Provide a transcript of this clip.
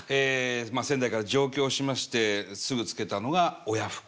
まあ仙台から上京しましてすぐ付けたのが「親不孝」ですね。